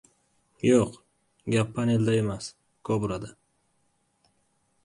Yo‘q, gap panelda emas, «Kobra»da!